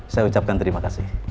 saya ucapkan terima kasih